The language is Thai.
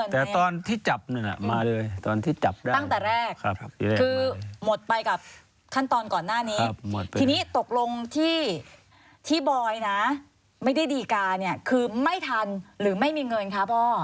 ถ้าที่บอกเรื่องเงินคือเงินค่าธนายพ่อใช่มั้ยครับ